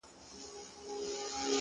• پر لکړه رېږدېدلی,